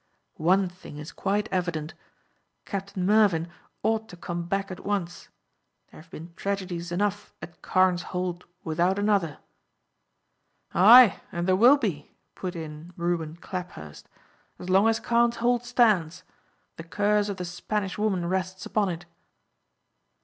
One thing is quite evident Captain Mervyn ought to come back at once. There have been tragedies enough at Carne's Hold without another." "Ay, and there will be," put in Reuben Claphurst, "as long as Carne's Hold stands; the curse of the Spanish woman rests upon it."